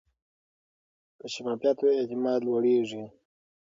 که شفافیت وي، اعتماد لوړېږي.